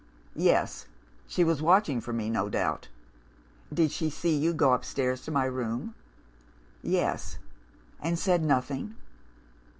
"'Yes. She was watching for me, no doubt.' "Did she see you go upstairs to my room?' "'Yes.' "'And said nothing?